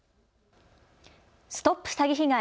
ＳＴＯＰ詐欺被害！